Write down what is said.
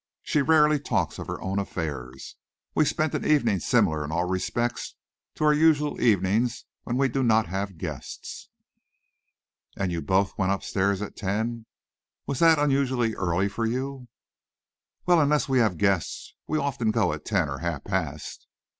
She rarely talks of her own affairs. We spent an evening similar in all respects to our usual evening when we do not have guests." "And you both went upstairs at ten. Was that unusually early for you?" "Well, unless we have guests, we often go at ten or half past ten."